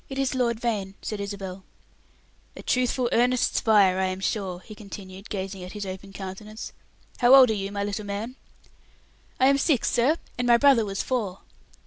"It is Lord Vane," said Isabel. "A truthful, earnest spirit, I am sure," he continued, gazing at his open countenance. "How old are you, my little man?" "I am six, sir; and my brother was four."